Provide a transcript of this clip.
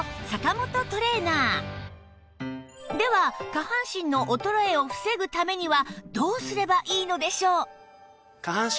下半身の衰えを防ぐためにはどうすればいいのでしょう？